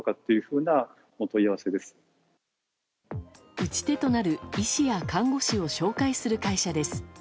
打ち手となる医師や看護師を紹介する会社です。